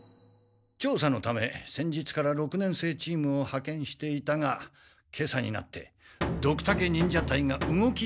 調査のため先日から六年生チームをはけんしていたが今朝になってドクタケ忍者隊が動き出したとの情報が入った。